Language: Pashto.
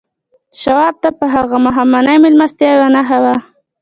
شواب ته هغه ماښامنۍ مېلمستیا یوه نښه وه